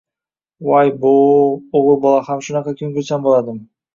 Voy-bo‘-o‘, o‘g‘il bola ham shunaqa ko‘ngilchan bo‘ladimi